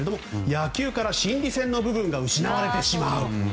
野球から心理戦の部分が失われてしまう。